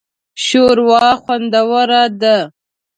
شوروا خوندوره ده